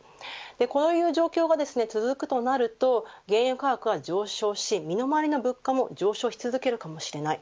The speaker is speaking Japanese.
こういう状況が続くとなると原油価格が上昇し、身の回りの物価も上昇し続けるかもしれない。